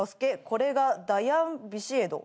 これがダヤン・ビシエド。